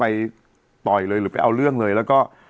ปรากฏว่าจังหวัดที่ลงจากรถ